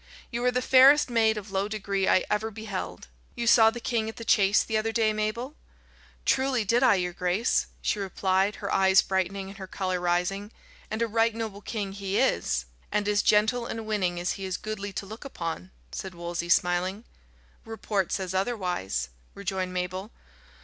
"You are the fairest maid of low degree I ever beheld. You saw the king at the chase the other day, Mabel?" "Truly, did I, your grace," she replied, her eyes brightening and her colour rising; "and a right noble king he is." "And as gentle and winning as he is goodly to look upon," said Wolsey, smiling. "Report says otherwise," rejoined Mabel.